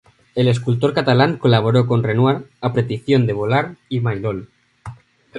El escultor catalán colaboró con Renoir a petición de Vollard y de Maillol.